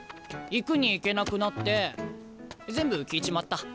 行くに行けなくなって全部聞いちまった。